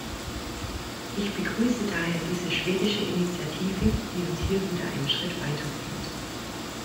Ich begrüße daher diese schwedische Initiative, die uns hier wieder einen Schritt weiterbringt.